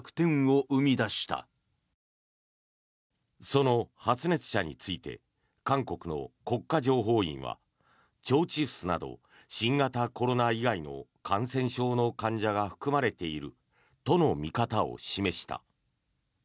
その発熱者について韓国の国家情報院は腸チフスなど新型コロナ以外の感染症の患者が含まれているとの見方を示した。